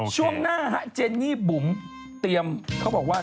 ช่วงหน้าฮะเจนนี่บุ๋มเตรียมเขาบอกว่า